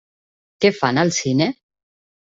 Què fan al cine?